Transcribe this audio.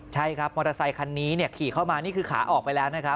ใช่ครับมอเตอร์ไซคันนี้ขี่เข้ามานี่คือขาออกไปแล้วนะครับ